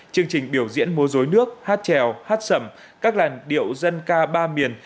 chương trình biểu diễn mô dối nước hát trèo hát sẩm các làn điệu dân ca ba miền